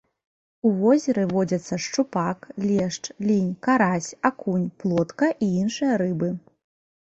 У возеры водзяцца шчупак, лешч, лінь, карась, акунь, плотка і іншыя рыбы.